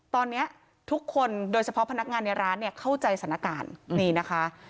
ตอนนี้ทุกคนโดยเฉพาะพนักงานในร้านเนี่ยเข้าใจสถานการณ์นี่นะคะ